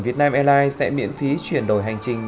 việt nam airlines sẽ miễn phí chuyển đổi hành trình